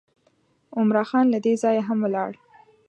عمرا خان له دې ځایه هم ولاړ.